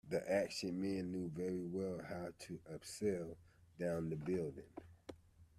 The action man knew very well how to abseil down the building